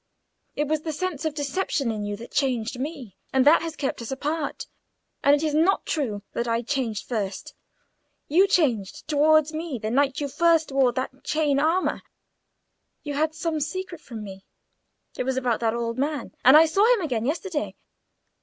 "It was the sense of deception in you that changed me, and that has kept us apart. And it is not true that I changed first. You changed towards me the night you first wore that chain armour. You had some secret from me—it was about that old man—and I saw him again yesterday.